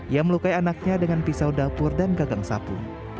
ia melukai anaknya dengan pisau dapur dan gagang sapu